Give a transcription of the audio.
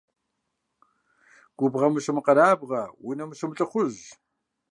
Губгъуэм ущымыкъэрабгъэ, унэм ущымылӀыхъужь.